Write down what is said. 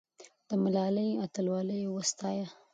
د ملالۍ اتلولي وستایه.